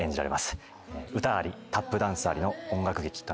歌ありタップダンスありの音楽劇となってます。